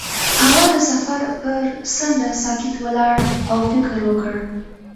هغه د سفر پر څنډه ساکت ولاړ او فکر وکړ.